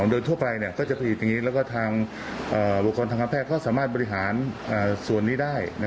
โดรสทั่วไปก็จะผลิตอย่างนี้และบุคคลทางคำแพทย์เขาสามารถบริหารส่วนนี้ได้